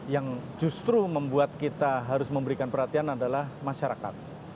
yang justru membuat kita harus memberikan perhatian adalah masyarakat